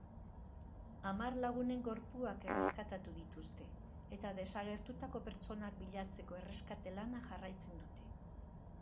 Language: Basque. Hamar lagunen gorpuak erreskatatu dituzte eta desagertutako pertsonak bilatzeko erreskate lanak jarraitzen dute.